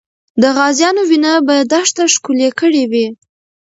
د غازیانو وینه به دښته ښکلې کړې وي.